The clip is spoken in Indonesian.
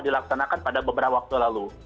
dilaksanakan pada beberapa waktu lalu